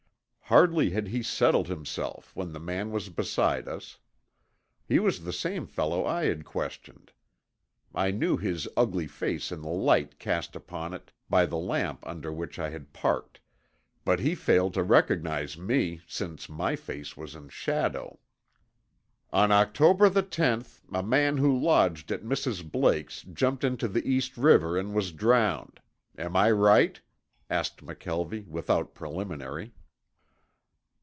Hardly had he settled himself when the man was beside us. He was the same fellow I had questioned. I knew his ugly face in the light cast upon it by the lamp under which I had parked, but he failed to recognize me, since my face was in shadow. "On October the tenth a man who lodged at Mrs. Blake's jumped into the East River and was drowned. Am I right?" asked McKelvie without preliminary.